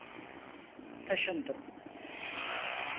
Taşındım.